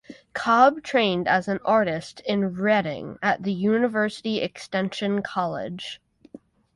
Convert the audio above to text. Cobb trained as an artist in Reading at the University Extension College.